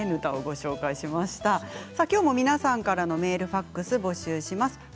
きょうも皆さんからのメール、ファックス募集します。